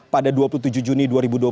pada dua puluh tujuh juni dua ribu dua puluh